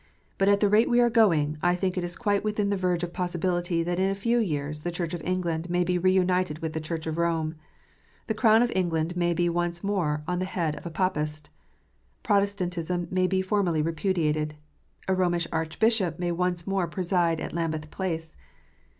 But at the rate we are going, I think it quite within the verge of possibility that in a few years the Church of England may be re united to the Church of Rome. The Crown of England may be once more on the head of a Papist. Protestantism may be formally repudiated. A Romish Archbishop may once more preside at Lambeth Palace.